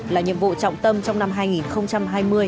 là nhiệm vụ trọng tâm trong năm hai nghìn hai mươi hai nghìn hai mươi một